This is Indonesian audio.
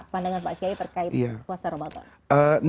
pandangan pak kiai terkait puasa ramadan